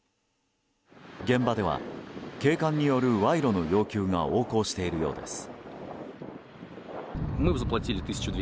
現場では警官による賄賂の要求が横行しているようです。